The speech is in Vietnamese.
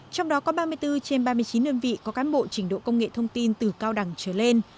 trong đó có ba mươi bốn trên ba mươi chín đơn vị có cán bộ trình độ công nghệ thông tin từ cao đẳng trở lên